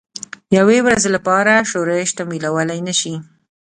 یوې ورځې لپاره ښورښ تمویلولای نه شي.